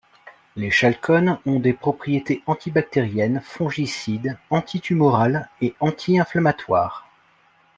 Les chalcones ont des propriétés antibactérienne, fongicide, antitumorale et anti-inflammatoire.